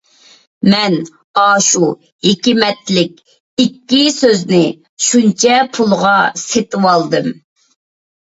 مەن ئاشۇ ھېكمەتلىك ئىككى سۆزنى شۇنچە پۇلغا سېتىۋالدىم.